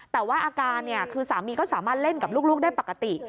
แต่ว่าอาการคือสามีก็สามารถเล่นกับลูกได้ปกติ